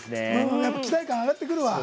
期待感、上がってくるわ。